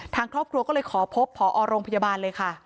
ทางครอบครัวก็เลยขอพบผอโรงพยาบาลเลยค่ะ